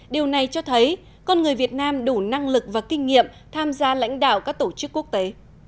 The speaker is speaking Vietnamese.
điều này cho thấy con người việt nam đủ năng lực và kinh nghiệm tham gia lãnh đạo các tổ chức quốc tế